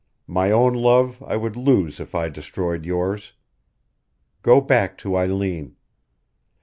My own love I would lose if I destroyed yours. Go back to Eileen.